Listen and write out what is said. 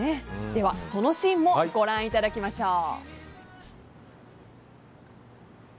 ではそのシーンもご覧いただきましょう。